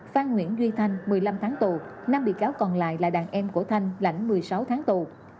phan nguyễn duy thanh một mươi năm tháng tù năm bị cáo còn lại là đàn em của thanh lãnh một mươi sáu tháng tù